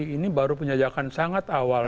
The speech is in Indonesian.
ini baru penyajakan sangat awal